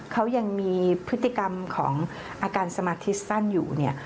เขายังมีพฤติกรรมของอาการสมาธิสั้นอยู่เนี่ย